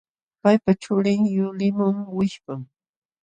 Paypa chulin yuliqmun wishpam.